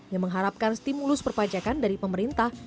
yang mengharapkan stimulus perpajakan dari pemerintah